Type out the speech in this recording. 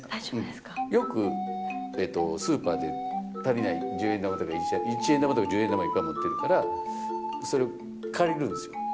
よく、スーパーで足りない、十円玉とか、一円玉とか十円玉、いっぱい持ってるから、それを借りるんですよ。